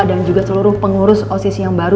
dan juga seluruh pengurus osis yang baru